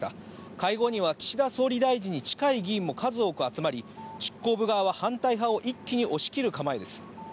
会合には、岸田総理大臣に近い議員も数多く集まり、執行部側は反対派を一気に押し切る構えです。